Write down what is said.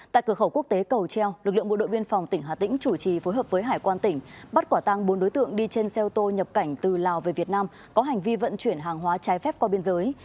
tại cửa khẩu quốc tế cầu treo lực lượng bộ đội biên phòng tỉnh hà tĩnh chủ trì phối hợp với hải quan tỉnh bắt quả tăng bốn đối tượng đi trên xe ô tô nhập cảnh từ lào về việt nam có hành vi vận chuyển hàng hóa trái phép qua biên giới